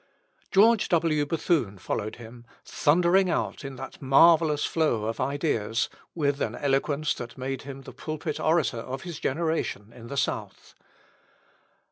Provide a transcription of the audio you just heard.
George W. Bethune followed him, thundering out in that marvellous flow of ideas, with an eloquence that made him the pulpit orator of his generation in the South.